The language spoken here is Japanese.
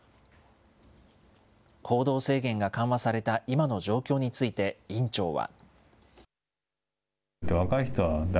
行動制限が緩和された今の状況について院長は。